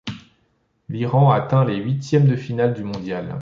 L'Iran atteint les huitièmes de finale du mondial.